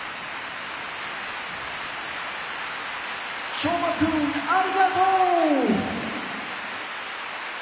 昌磨君ありがとう！